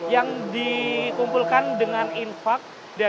yang dikumpulkan dengan infak